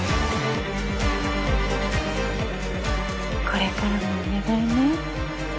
これからもお願いね